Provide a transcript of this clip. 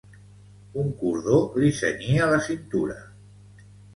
Un cordó li cenyia la cintura.